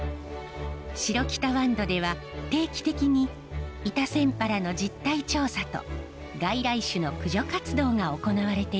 城北ワンドでは定期的にイタセンパラの実態調査と外来種の駆除活動が行われています。